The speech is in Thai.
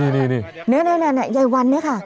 นี่ยายวันเนี่ยค่ะ